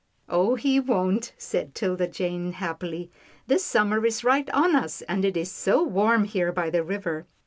"Oh! he won't," said 'Tilda Jane happily, "the summer is right on us, and it is so warm here by the river."